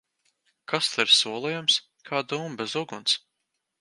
Kas tad ir solījums? Kā dūmi bez uguns!